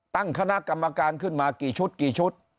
ตั้งคณะกรรมการขึ้นมากี่ชุดกี่ชุด